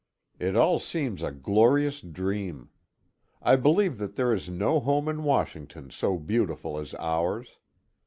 It all seems a glorious dream. I believe that there is no home in Washington so beautiful as ours.